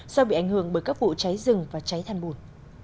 do bị ảnh hưởng bởi các vụ cháy rừng và cháy than bùn